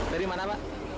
dari mana pak